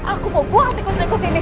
aku mau buang tikus naik ke sini